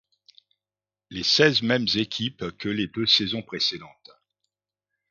Les seize mêmes équipes que les deux saisons précédentes.